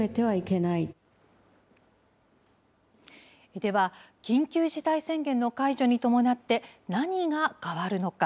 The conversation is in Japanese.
では、緊急事態宣言の解除に伴って何が変わるのか。